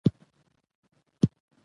مېلې د محلي اقتصاد وده یوه وسیله ده.